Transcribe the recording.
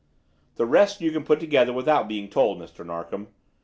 The rest you can put together without being told, Mr. Narkom.